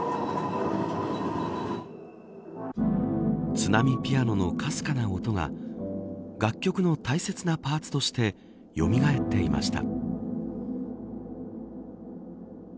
津波ピアノのかすかな音が楽曲の大切なパーツとしてよみがえっていました。